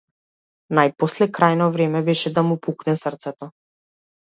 Најпосле крајно време беше да му пукне срцето.